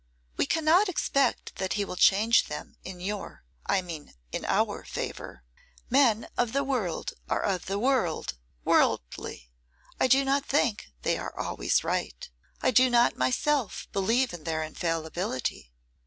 We cannot expect that he will change them in your, I mean in our favour. Men of the world are of the world, worldly. I do not think they are always right; I do not myself believe in their infallibility.